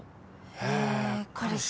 へぇ彼氏。